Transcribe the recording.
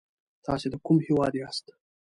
تاسې د کوم هيواد ياست؟